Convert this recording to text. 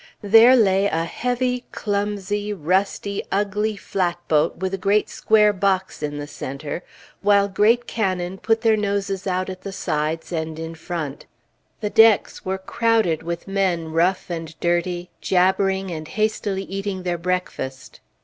There lay a heavy, clumsy, rusty, ugly flatboat with a great square box in the centre, while great cannon put their noses out at the sides, and in front. The decks were crowded with men, rough and dirty, jabbering and hastily eating their breakfast.